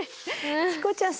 チコちゃん